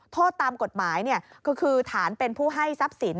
โทษตามกฎหมายก็คือฐานเป็นผู้ให้ทรัพย์สิน